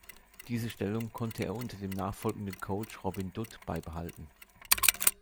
Diese Stellung konnte er unter dem nachfolgenden Coach Robin Dutt beibehalten.